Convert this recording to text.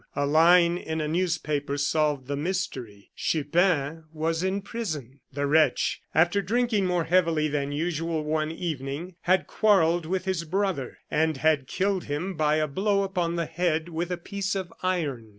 A line in a newspaper solved the mystery. Chupin was in prison. The wretch, after drinking more heavily than usual one evening, had quarrelled with his brother, and had killed him by a blow upon the head with a piece of iron.